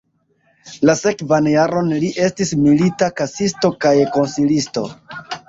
La sekvan jaron li estis milita kasisto kaj konsilisto.